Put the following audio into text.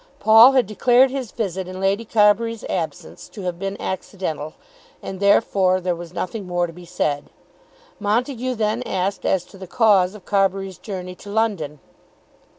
Paul had declared his visit in Lady Carbury's absence to have been accidental, and therefore there was nothing more to be said. Montague then asked as to the cause of Carbury's journey to London.